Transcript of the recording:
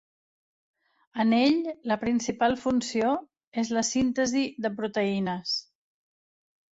En ell la principal funció és la síntesi de proteïnes.